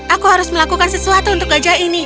aku harus melakukan sesuatu untuk gajah ini